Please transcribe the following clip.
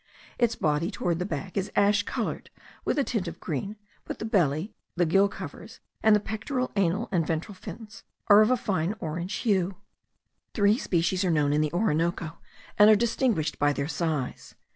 Its body, toward the back, is ash coloured with a tint of green, but the belly, the gill covers, and the pectoral, anal, and ventral fins, are of a fine orange hue. Three species are known in the Orinoco, and are distinguished by their size.